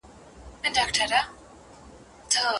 زه تر هغه وخته پوري دغه ډالۍ نه منم.